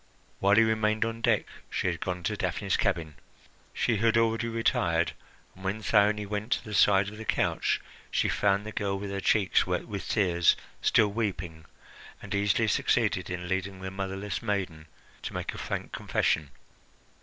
While he remained on deck, she had gone to Daphne's cabin. She had already retired, and when Thyone went to the side of the couch she found the girl, with her cheeks wet with tears, still weeping, and easily succeeded in leading the motherless maiden to make a frank confession.